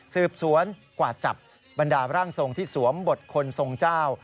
สืบสวนกว่าจับบรรดาร่างทรงที่สวมบทคนทรงเจ้า